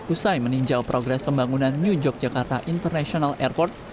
usai meninjau progres pembangunan new yogyakarta international airport